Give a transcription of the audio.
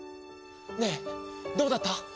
「ねえどうだった？